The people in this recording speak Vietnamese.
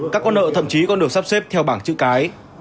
các con nợ thậm chí còn được sắp xếp theo bảng chữ cái